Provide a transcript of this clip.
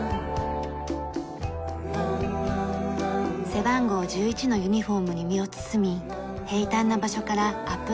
背番号１１のユニホームに身を包み平坦な場所からアップ